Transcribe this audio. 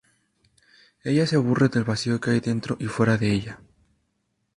Ella se aburre del vacío que hay dentro y fuera de ella.